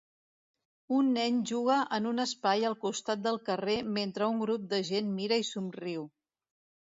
Un nen juga en un espai al costat del carrer mentre un grup de gent mira i somriu